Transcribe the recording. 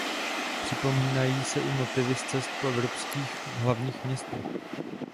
Připomínají se i motivy z cest po evropských hlavních městech.